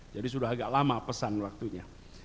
jadi sudah agak lama pesan waktunya